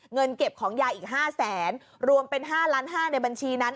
เงินเก็บของยายอีก๕แสนรวมเป็น๕ล้าน๕ในบัญชีนั้น